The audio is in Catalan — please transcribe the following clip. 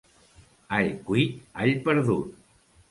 All cuit, all perdut.